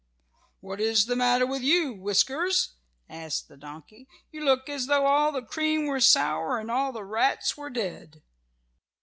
"What is the matter with you, Whiskers?" asked the donkey. "You look as though all the cream were sour and all the rats were dead."